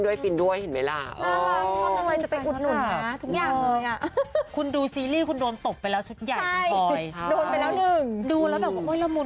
แล้วจะปากไม่ดีเหมือนเดิมปากไม่ดีเหมือนเดิม